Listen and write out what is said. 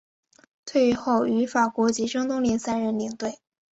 退役后于法国及中东联赛任领队。